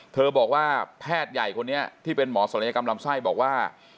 บอกว่าแพทย์ใหญ่คนนี้ที่เป็นหมอศัลยกรรมลำไส้บอกว่า